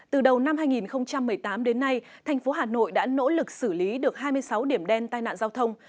từ đầu năm hai nghìn một mươi tám đến nay thành phố hà nội đã nỗ lực xử lý được hai mươi sáu điểm đen tai nạn giao thông